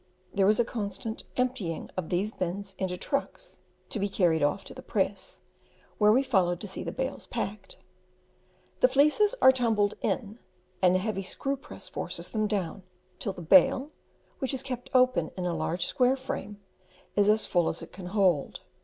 There was a constant emptying of these bins into trucks to be carried off to the press, where we followed to see the bales packed. The fleeces are tumbled in, and a heavy screw press forces them down till the bale which is kept open in a large square frame is as full as it can hold.